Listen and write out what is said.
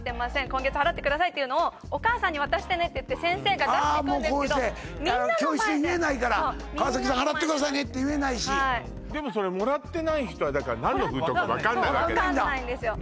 今月払ってくださいっていうのを「お母さんに渡してね」って言って先生が出してくるんですけどみんなの前で教室で言えないから川崎さん払ってくださいねって言えないしでもそれもらってない人は何の封筒か分かんないわけね分かんないんですよ